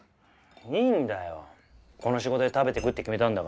いいんだよこの仕事で食べていくって決めたんだから。